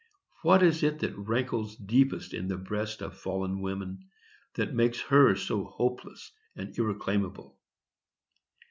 What is it that rankles deepest in the breast of fallen woman, that makes her so hopeless and irreclaimable?